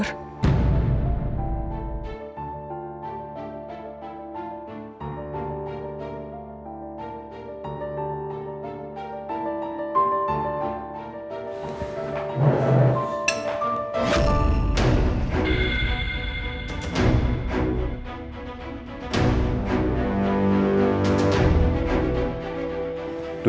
apa gue harus kabur